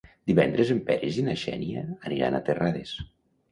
Divendres en Peris i na Xènia aniran a Terrades.